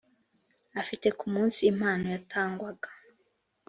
afite ku munsi impano yatangwaga